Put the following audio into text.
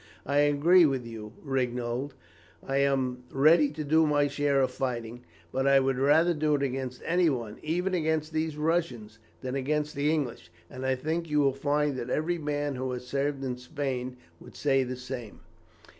I agree with you, Rignold. I am ready to do my share of fighting, but I would rather do it against any one, even against these Russians, than against the English; and I think you will find that every man who has served in Spain would say the same."